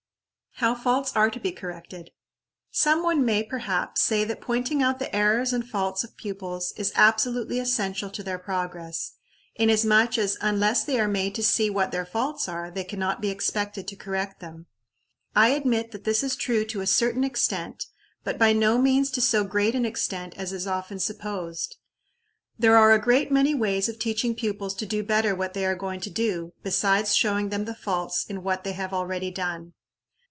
How Faults are to be Corrected. Some one may, perhaps, say that pointing out the errors and faults of pupils is absolutely essential to their progress, inasmuch as, unless they are made to see what their faults are, they can not be expected to correct them. I admit that this is true to a certain extent, but by no means to so great an extent as is often supposed. There are a great many ways of teaching pupils to do better what they are going to do, besides showing them the faults in what they have already done.